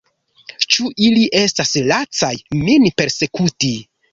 Ĉu ili estas lacaj, min persekuti?